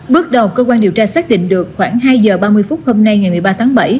bước đầu cơ quan điều tra xác định được khoảng hai giờ ba mươi phút hôm nay ngày một mươi ba tháng bảy